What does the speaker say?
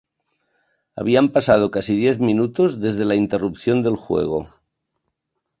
Habían pasado casi diez minutos desde la interrupción del juego.